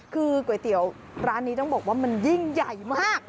คือก๋วยเตี๋ยวร้านนี้ต้องบอกว่ามันยิ่งใหญ่มาก